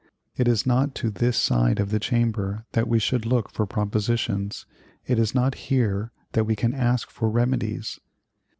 It is not to this side of the Chamber that we should look for propositions; it is not here that we can ask for remedies.